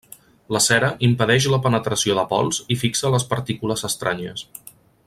La cera impedeix la penetració de pols i fixa les partícules estranyes.